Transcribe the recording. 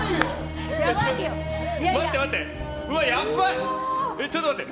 待って待って！